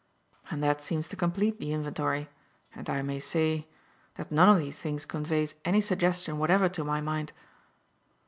And that seems to complete the inventory, and, I may say, that none of these things conveys any suggestion whatever to my mind."